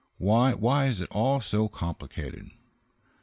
Why why is it all so complicated?"